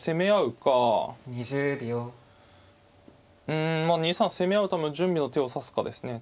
うんまあ２三攻め合うための準備の手を指すかですね。